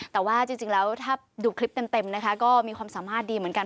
แต่ว่าจริงแล้วถ้าดูคลิปเต็มนะคะก็มีความสามารถดีเหมือนกัน